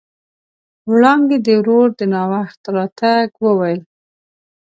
وړانګې د ورور د ناوخت راتګ وويل.